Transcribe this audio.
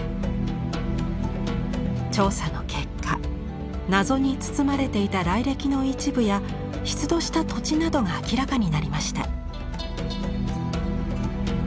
調査の結果謎に包まれていた来歴の一部や出土した土地などが明らかになりました。